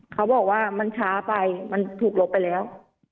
เขาบอกว่ามันช้าไปมันถูกลบไปแล้ว